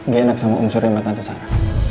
gak enak sama um suri matan tusara